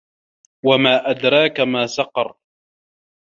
وَما أَدراكَ ما سَقَرُ